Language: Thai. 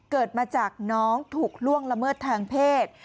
เกิดมาจากน้องถูกล่วงละเมิดทางเพศ